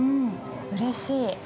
◆うれしい。